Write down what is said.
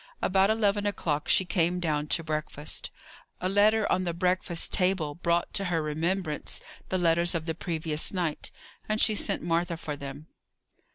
About eleven o'clock she came down to breakfast. A letter on the breakfast table brought to her remembrance the letters of the previous night, and she sent Martha for them.